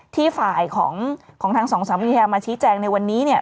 ที่ฝ่ายของทางสองสามเมียมาชี้แจงในวันนี้เนี่ย